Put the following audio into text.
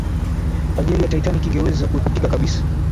ajali ya titanic ingeweza kuepukika kabisa